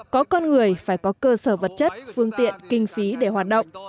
có con người phải có cơ sở vật chất phương tiện kinh phí để hoạt động